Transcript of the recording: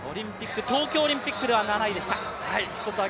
東京オリンピックでは７位でした。